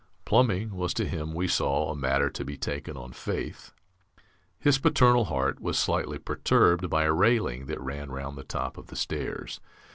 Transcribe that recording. Plumbing was to him, we saw, a matter to be taken on faith. His paternal heart was slightly perturbed by a railing that ran round the top of the stairs.